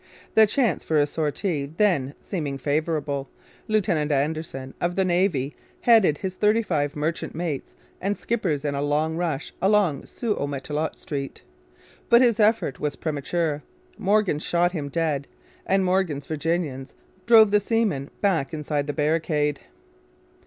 The chance for a sortie then seeming favourable, Lieutenant Anderson of the Navy headed his thirty five merchant mates and skippers in a rush along Sault au Matelot Street. But his effort was premature. Morgan shot him dead, and Morgan's Virginians drove the seamen back inside the barricade.